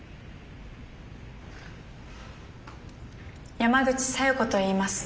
山口小夜子といいます。